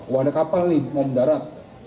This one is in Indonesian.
wah ada kapal nih mau mendarat